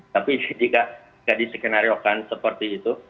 tapi jika tidak diskenariokan seperti itu